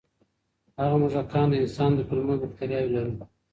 هغه موږکان د انسان د کولمو بکتریاوې لري.